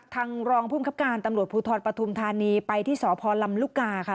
ทางรองภูมิครับการตำรวจภูทรปฐุมธานีไปที่สพลำลูกกาค่ะ